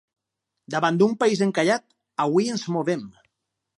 Davant d’un país encallat, avui ens movem.